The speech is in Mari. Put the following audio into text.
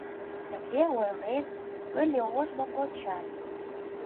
Тыге ойлен ыле ожно кочай